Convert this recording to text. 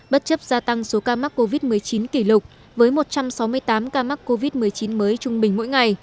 bất chấp gia tăng số ca mắc covid một mươi chín kỷ lục với một trăm sáu mươi tám ca mắc covid một mươi chín mới trung bình mỗi ngày